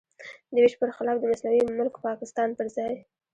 د وېش پر خلاف د مصنوعي ملک پاکستان پر ځای.